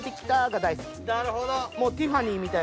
なるほど。